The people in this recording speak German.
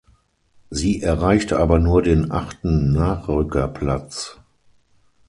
Sie erreichte aber nur den achten Nachrückerplatz.